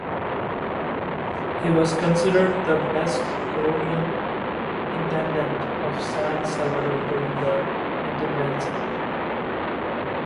He was considered the "best colonial intendant" of San Salvador during the intendancy.